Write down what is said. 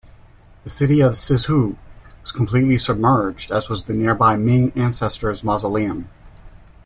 The city of Sizhou was completely submerged, as was the nearby Ming Ancestors Mausoleum.